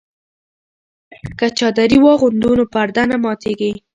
که چادري واغوندو نو پرده نه ماتیږي.